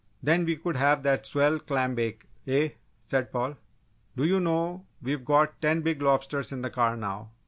"Then we could have that swell clam bake, eh?" said Paul. "Do you know, we've got ten big lobsters in the car now!